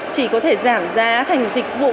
chỉ có thể giảm giá thành dịch vụ